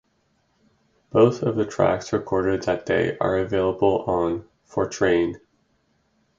Both of the tracks recorded that day are available on "For Trane".